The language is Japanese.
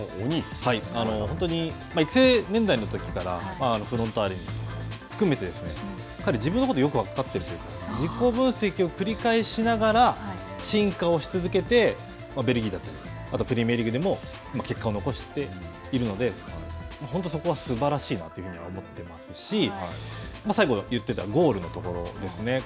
本当に育成年代のときからフロンターレを含めて、自分のことをよく分かっているというか、自己分析を繰り返しながら進化をし続けて、ベルギーだったりプレミアリーグでも結果を残しているので、本当にそこはすばらしいなというふうに思ってますし、最後に言ってたゴールのところですね。